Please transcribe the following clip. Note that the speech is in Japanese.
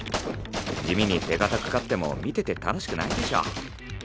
地味に手堅く勝っても見てて楽しくないでしょ。